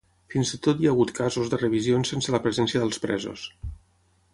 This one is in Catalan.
Fins i tot hi ha hagut casos de revisions sense la presència dels presos.